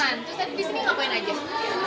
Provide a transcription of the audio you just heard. terus kan di sini ngapain aja